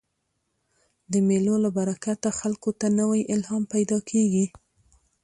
د مېلو له برکته خلکو ته نوی الهام پیدا کېږي.